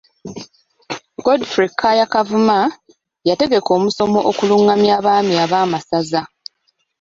Godfrey Kaaya Kavuma, yategeka omusomo okulungamya abaami ab'amasaza.